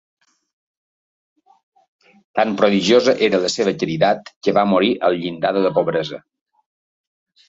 Tan prodigiosa era la seva caritat que va morir al llindar de la pobresa.